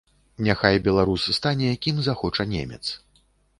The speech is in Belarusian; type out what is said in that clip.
Няхай беларус стане, кім захоча немец.